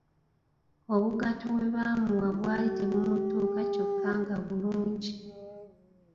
Obugatto bwe baamuwa bwali tebumutuuka kyokka nga bulungi.